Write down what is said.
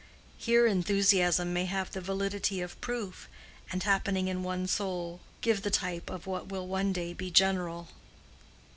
Here enthusiasm may have the validity of proof, and happening in one soul, give the type of what will one day be general.